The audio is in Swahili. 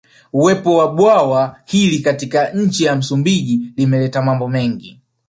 Uwepo wa bwawa hili katika nchi ya Msumbiji limeleta mambo mengi